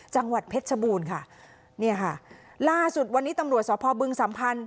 จังหวัดเพชรชบูรณ์ค่ะเนี่ยค่ะล่าสุดวันนี้ตำรวจสพบึงสัมพันธ์